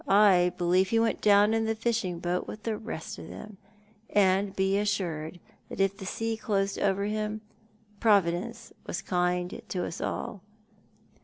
I believe he went down in the fishing boat with the rest of them ; and be assured that if the sea closed over him Providence was kind to us all."